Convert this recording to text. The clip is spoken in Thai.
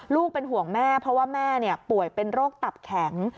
เป็นห่วงแม่เพราะว่าแม่ป่วยเป็นโรคตับแข็ง